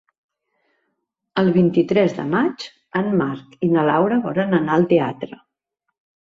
El vint-i-tres de maig en Marc i na Laura volen anar al teatre.